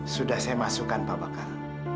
sudah saya masukkan pak bakar